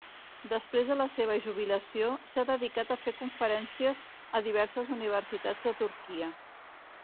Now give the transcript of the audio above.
Després de la seva jubilació, s'ha dedicat a fer conferències a diverses universitats de Turquia.